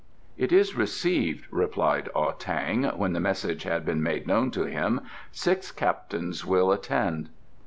"It is received," replied Ah tang, when the message had been made known to him. "Six captains will attend."